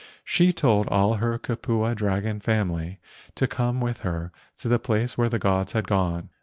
She told all her kupua dragon family to come with her to the place where the gods had gone.